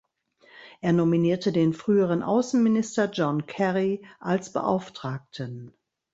Er nominierte den früheren Außenminister John Kerry als Beauftragten.